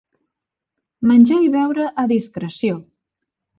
Menjar i beure a discreció.